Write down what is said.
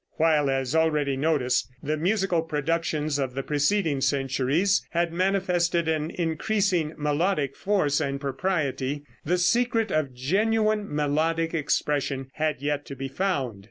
While, as already noticed, the musical productions of the preceding centuries had manifested an increasing melodic force and propriety, the secret of genuine melodic expression had yet to be found.